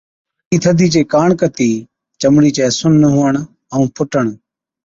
گھڻِي ٿڌِي چي ڪاڻ ڪتِي چمڙِي چَي سُن هُوَڻ ائُون ڦُٽڻ Frostbite and Chilblains